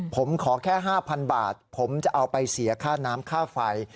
ผมขอแค่๕๐๐บาทผมจะเอาไปเสียค่าน้ำค่าไฟ